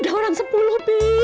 udah orang sepuluh pi